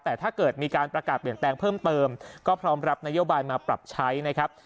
แต่ถ้าเกิดมีการประกาศเปลี่ยนแปลงเพิ่มเติมก็พร้อมรับนโยบายมาปรับใช้นะครับ